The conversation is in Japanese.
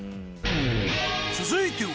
続いては。